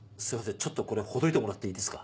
ちょっとこれほどいてもらっていいですか？